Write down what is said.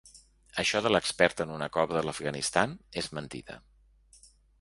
Això de l’expert en una cova de l’Afganistan és mentida.